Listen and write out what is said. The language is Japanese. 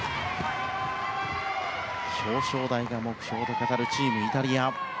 表彰台が目標と語るチームイタリア。